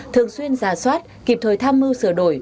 thường xuyên giả soát kịp thời tham mưu sửa đổi